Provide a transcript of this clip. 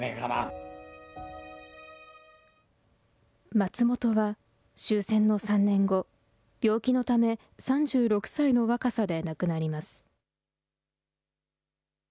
松本は終戦の３年後、病気のため、３６歳の若さで亡くなります。